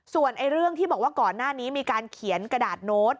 ส่วนเรื่องที่บอกว่าก่อนหน้านี้มีการเขียนกระดาษโน้ต